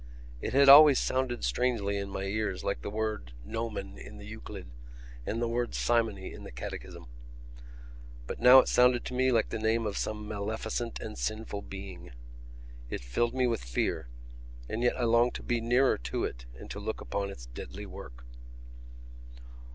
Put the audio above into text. It had always sounded strangely in my ears, like the word gnomon in the Euclid and the word simony in the Catechism. But now it sounded to me like the name of some maleficent and sinful being. It filled me with fear, and yet I longed to be nearer to it and to look upon its deadly work.